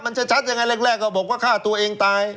ชัดยังไงแรกก็บอกว่าฆ่าตัวเองตาย